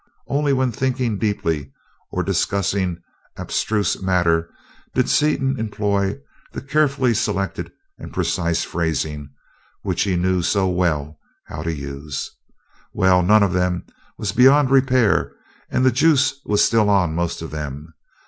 Only when thinking deeply or discussing abstruse matter did Seaton employ the carefully selected and precise phrasing, which he knew so well how to use. "Well, none of them was beyond repair and the juice was still on most of them.